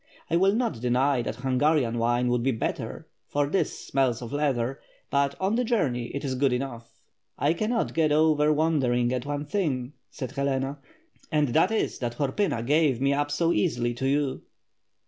I will not deny that Hungarian wine would be better, for this smells of leather, but on the journey it is good enough." "I cannot get over wondering at one thing," said Helena, "and that is that Horpyna gave me up so easily to you."